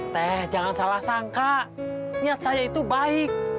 teh jangan salah sangka niat saya itu baik